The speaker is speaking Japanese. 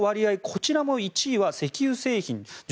こちらも１位は石油製品。